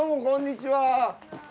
こんにちは。